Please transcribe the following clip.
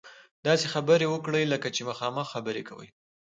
داسې خبرې وکړئ لکه چې مخامخ خبرې کوئ.